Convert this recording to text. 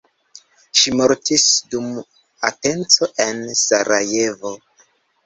Ŝi mortis dum atenco en Sarajevo.